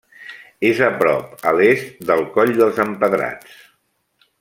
És a prop a l'est del Coll dels Empedrats.